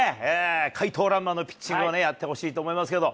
かいとうらんまのピッチングをね、やってほしいと思いますけど。